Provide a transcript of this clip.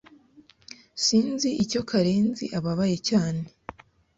Sinzi icyo Karenzi ababaye cyane.